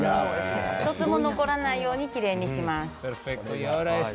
１つも残らないようにきれいにします。